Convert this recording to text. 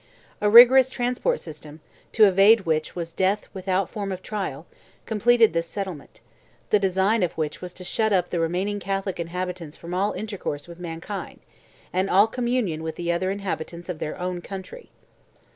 A rigorous passport system, to evade which was death without form of trial, completed this settlement, the design of which was to shut up the remaining Catholic inhabitants from all intercourse with mankind, and all communion with the other inhabitants of their own country.